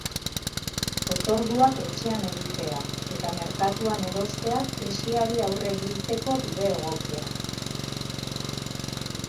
Otorduak etxean egitea eta merkatuan erostea krisiari aurre egiteko bide egokiak.